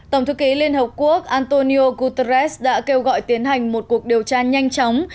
tổng thư ký liên hợp quốc antonio guterres đã kêu gọi tiến hành một cuộc điều tra nhanh chóng